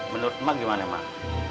menurut mak gimana mak